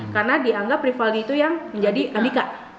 karena dianggap rivaldi itu yang menjadi andika